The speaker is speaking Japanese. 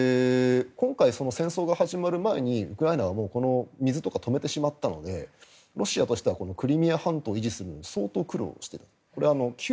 今回、戦争が始まる前にウクライナは水とかを止めてしまったのでロシアとしてはクリミア半島を維持するのに相当苦労をしていた。